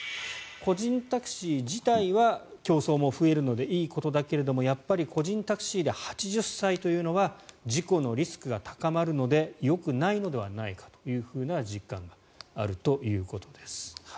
個人タクシー自体は競争も増えるのでいいことだけれどもやっぱり個人タクシーで８０歳というのは事故のリスクが高まるのでよくないのではないかというふうな実感があるということです。